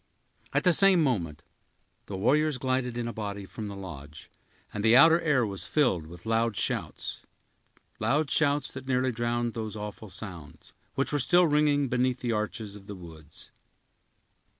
At the same moment, the warriors glided in a body from the lodge, and the outer air was filled with loud shouts, that nearly drowned those awful sounds, which were still ringing beneath the arches of the woods.